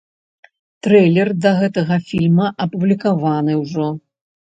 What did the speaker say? Трэйлер да гэтага фільма апублікаваны ўжо.